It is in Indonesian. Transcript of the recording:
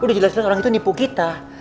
lu udah jelas jelas orang itu nipu kita